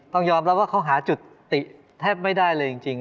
ต้องยอมรับว่าเขาหาจุดติแทบไม่ได้เลยจริง